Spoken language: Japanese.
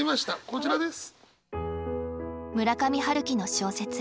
こちらです。